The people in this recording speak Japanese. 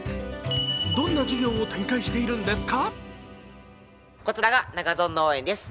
どんな事業を展開しているんですか？